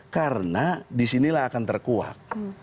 karena di sinilah akan terkuat